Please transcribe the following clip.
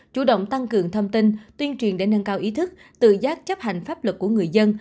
chủ động tăng cường thông tin tuyên truyền để nâng cao ý thức tự giác chấp hành pháp luật của người dân